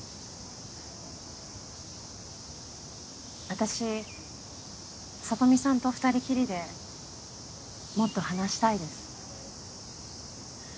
あたしサトミさんと二人きりでもっと話したいです。